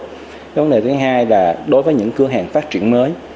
vấn đề thứ hai là đối với những cửa hàng phát triển mới